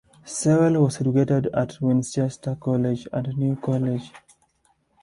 Sewell was educated at Winchester College and New College.